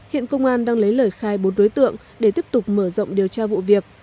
hiện công an đang lấy lời khai bốn đối tượng để tiếp tục mở rộng điều tra vụ việc